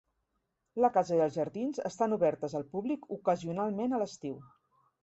La casa i els jardins estan obertes al públic ocasionalment a l'estiu.